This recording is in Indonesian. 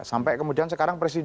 sampai kemudian sekarang presiden